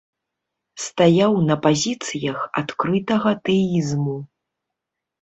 Стаяў на пазіцыях адкрытага тэізму.